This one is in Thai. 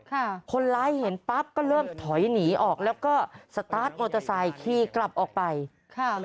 ค่ะคนร้ายเห็นปั๊บก็เริ่มถอยหนีออกแล้วก็คี่กลับออกไปค่ะ